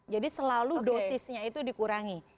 jadi selalu dosisnya itu dikurangi